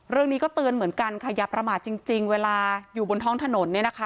เรื่องนี้ก็เตือนเหมือนกันค่ะอย่าประมาทจริงเวลาอยู่บนท้องถนนเนี่ยนะคะ